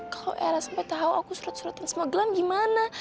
kalau era sampai tau aku surat suratin semua glenn gimana